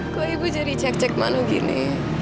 kok ibu jadi cek cek manu gini